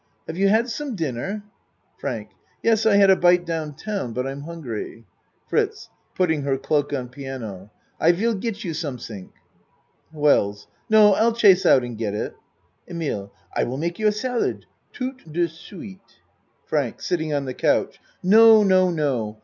Have you had some dinner? FRANK Yes, I had a bite down town, but I'm hungry. FRITZ (Putting her cloak on piano.) I will get you some ding. WELLS No, I'll chase out and get it. EMILE I will make you a salad, toute de suite. FRANK (Sitting on the couch.) No no no.